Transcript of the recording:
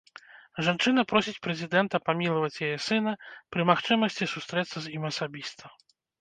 Жанчына просіць прэзідэнта памілаваць яе сына, пры магчымасці сустрэцца з ім асабіста.